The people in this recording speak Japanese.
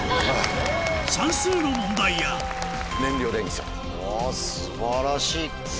算数の問題やお素晴らしい。